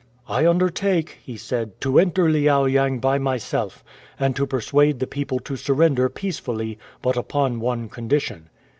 " I undertake," he vsaid, " to enter Liao yang by myself, and to persuade the people to surrender peacefully, but upon one condition."